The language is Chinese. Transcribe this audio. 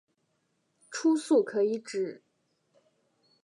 初速可以指